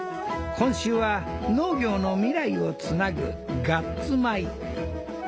今週は農業の未来を繋ぐガッツ米。